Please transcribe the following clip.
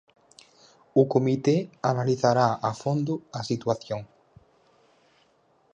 O comité analizará a fondo a situación.